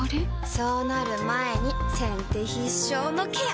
そうなる前に先手必勝のケア！